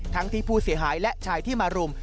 ทั้งที่ผู้เสียหายและชายที่มารุม